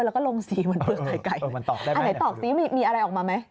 แล้วก็ลงสีกันมีอะไรออกมาไหม